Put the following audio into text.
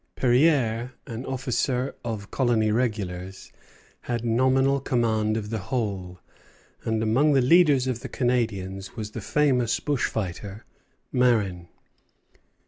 Perière, an officer of colony regulars, had nominal command of the whole; and among the leaders of the Canadians was the famous bushfighter, Marin.